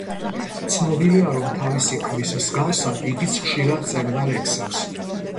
ცნობილია, რომ თავისი ქმრის მსგავსად, იგიც ხშირად წერდა ლექსებს.